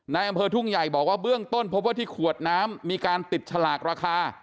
ในอำเภอทุ่งใหญ่บอกว่าเบื้องต้นพบว่าที่ขวดน้ำมีการติดฉลากราคา